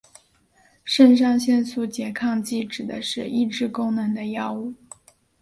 肾上腺素拮抗剂指的是抑制功能的药物。